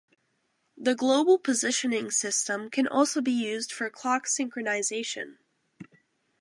The Global Positioning System can also be used for clock synchronization.